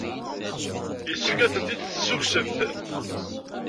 Yessefk ad tent-id-tessukksemt.